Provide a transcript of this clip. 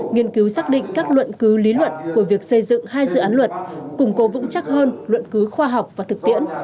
nghiên cứu xác định các luận cứ lý luận của việc xây dựng hai dự án luật củng cố vững chắc hơn luận cứu khoa học và thực tiễn